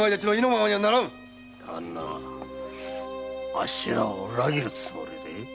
あっしらを裏切るつもりで？